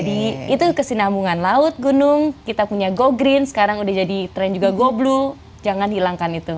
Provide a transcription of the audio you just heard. jadi itu kesinambungan laut gunung kita punya go green sekarang udah jadi tren juga go blue jangan hilangkan itu